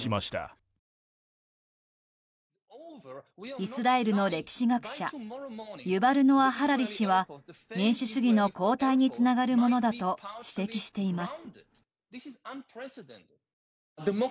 イスラエルの歴史学者ユヴァル・ノア・ハラリ氏は民主主義の後退につながるものだと指摘しています。